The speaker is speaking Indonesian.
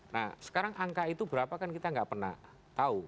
nah sekarang angka itu berapa kan kita nggak pernah tahu